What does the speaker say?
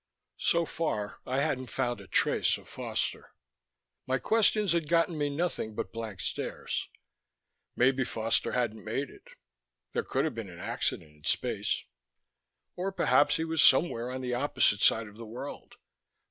So far I hadn't found a trace of Foster. My questions had gotten me nothing but blank stares. Maybe Foster hadn't made it; there could have been an accident in space. Or perhaps he was somewhere on the opposite side of the world.